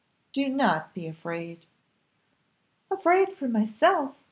Do not be afraid." "Afraid for myself?"